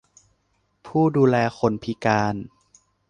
ผู้ดูแลคนพิการ